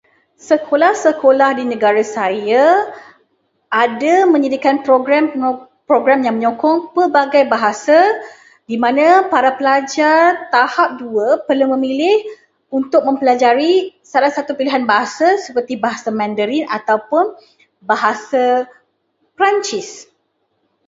Sekolah-sekolah di negara saya ada menyediakan program-program yang menyokong pelbagai bahasa, di mana pelajar tahap dua perlu memilih untuk mempelajari salah satu pilihan bahasa seperti bahasa Mandarin ataupun bahasa Perancis.